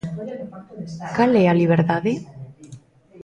¿Cal é a liberdade?